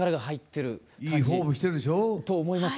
いいフォームしてるでしょ。と思います。